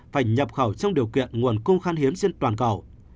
phải nhập khẩu trong điều kiện nguồn cung khan hiếm trên toàn cầu